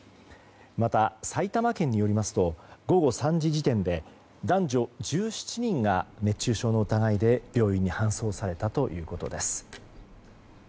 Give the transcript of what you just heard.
また埼玉県によりますと午後３時時点で男女１７人が熱中症の疑いで病院に搬送されたということです。